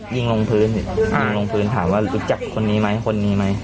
ยิงลงพื้นยิงลงพื้นถามว่ารู้จักคนนี้ไหมคนนี้ไหม